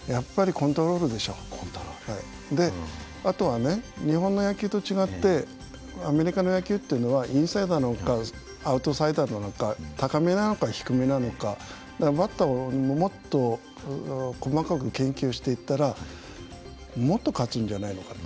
コントロール？であとはね日本の野球と違ってアメリカの野球っていうのはインサイダーなのかアウトサイダーなのか高めなのか低めなのかだからバッターをもっと細かく研究していったらもっと勝つんじゃないのかと。